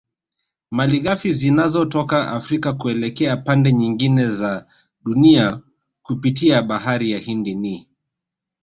Malighafi zinazotoka Afrika kuelekea pande nyingine za Dunia kupitia bahari ya Hindi ni